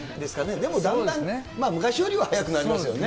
でもだんだん、昔よりは早くなりそうですね。